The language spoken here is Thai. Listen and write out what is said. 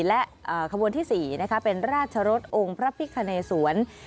และขบวนที่๔เป็นราชรสองค์พระพิคเนสวน